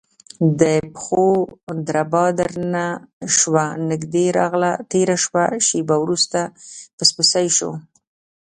د پښو دربا درنه شوه نږدې راغله تیره شوه شېبه وروسته پسپسی شو،